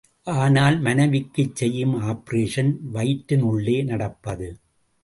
ஆனால் மனைவிக்குச் செய்யும் ஆப்பரேஷன் வயிற்றினுள்ளே நடப்பது.